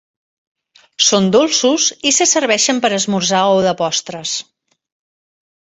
Són dolços i se serveixen per esmorzar o de postres.